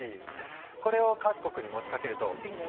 これを各国に持ちかけると「いいね！」